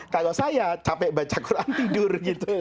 kalau saya capek baca quran tidur gitu